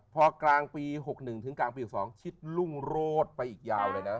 พอกลางปี๖๑ถึงกลางปี๖๒ชิดรุ่งโรดไปอีกยาวเลยนะ